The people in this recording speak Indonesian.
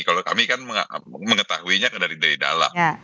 kalau kami kan mengetahuinya dari dalam